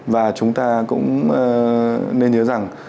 và chúng ta cũng nên nhớ rằng